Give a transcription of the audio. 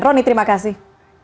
rony terima kasih